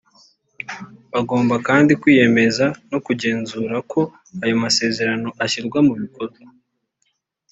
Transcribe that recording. Bagomba kandi kwiyemeza no kugenzura ko ayo masezerano ashyirwa mu bikorwa